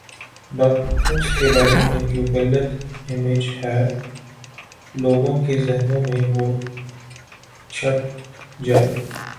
doctors کے بارے میں جو غلط امیج ہے لوگوں کے ذہنوں میں وہ چھٹ جائے